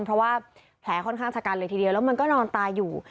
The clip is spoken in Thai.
เพราะว่าแผลค่อนข้างชะกันเลยทีเดียวแล้วมันก็นอนตายอยู่